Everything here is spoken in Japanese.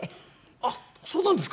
あっそうなんですか？